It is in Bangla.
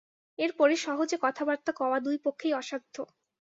এর পরে সহজে কথাবার্তা কওয়া দুই পক্ষেই অসাধ্য।